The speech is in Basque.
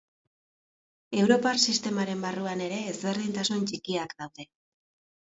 Europar sistemaren barruan ere ezberdintasun txikiak daude.